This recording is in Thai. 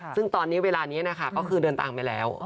ซึ่งตอนนี้เวลานี้นะคะก็คือเดินตามไปแล้ว